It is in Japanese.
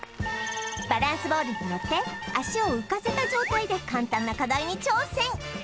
バランスボールにのって足を浮かせた状態で簡単な課題に挑戦